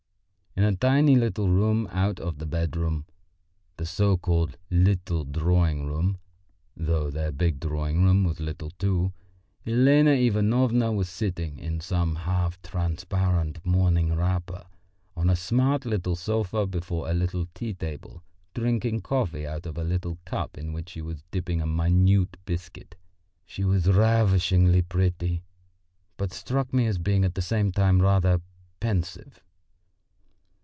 In a tiny little room out of the bedroom the so called little drawing room, though their big drawing room was little too Elena Ivanovna was sitting, in some half transparent morning wrapper, on a smart little sofa before a little tea table, drinking coffee out of a little cup in which she was dipping a minute biscuit. She was ravishingly pretty, but struck me as being at the same time rather pensive.